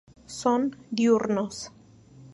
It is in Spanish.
Son diurnos.